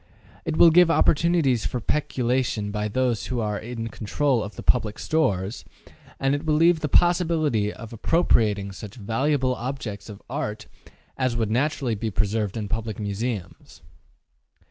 It will give opportunities for peculation by those who are in control of the public stores, and it will leave the possibility of appropriating such valuable objects of art as would naturally be preserved in public museums.